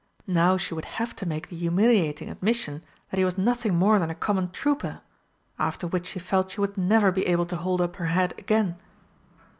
Now she would have to make the humiliating admission that he was nothing more than a common trooper after which she felt she would never be able to hold up her head again!